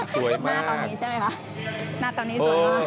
สวยมากป